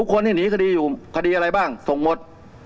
คนที่หนีคดีอยู่คดีอะไรบ้างส่งหมด